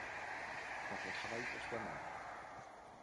Quand on travaille pour soi-même.